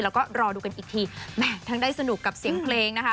แล้วก็รอดูกันอีกทีแหมทั้งได้สนุกกับเสียงเพลงนะคะ